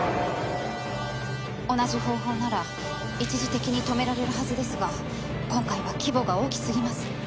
同じ方法なら一時的に止められるはずですが今回は規模が大きすぎます。